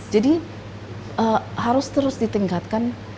jadi harus terus ditingkatkan